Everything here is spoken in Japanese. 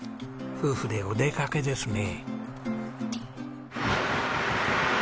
夫婦でお出かけですね。